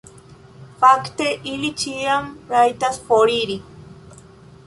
Fakte ili ĉiam rajtas foriri.